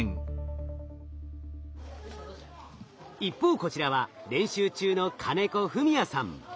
一方こちらは練習中の金子史哉さん。